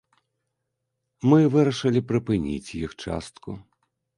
Мы вырашылі прыпыніць іх частку.